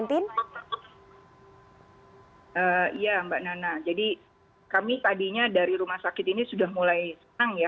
iya mbak nana jadi kami tadinya dari rumah sakit ini sudah mulai senang ya